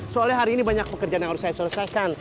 soalnya hari ini banyak pekerjaan yang harus saya selesaikan